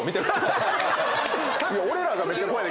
俺らがめっちゃ怖い。